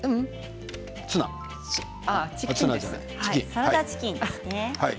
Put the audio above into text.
サラダチキンですね。